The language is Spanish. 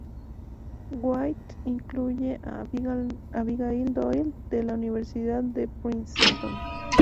White incluyen a Abigail Doyle, de la Universidad de Princeton.